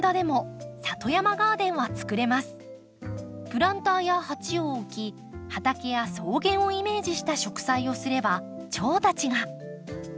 プランターや鉢を置き畑や草原をイメージした植栽をすればチョウたちが。